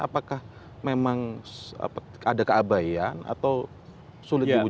apakah memang ada keabayaan atau sulit diwujudkan